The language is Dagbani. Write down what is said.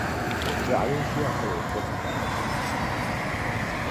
Gbɛɣu bi ʒia ka bɛ turi kpali.